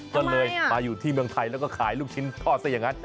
ก็เลยมาอยู่ที่เมืองไทยแล้วก็ขายลูกชิ้นทอดซะอย่างนั้น